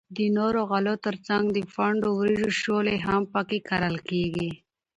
د نورو غلو تر څنگ د پنډو وریجو شولې هم پکښی کرل کیږي.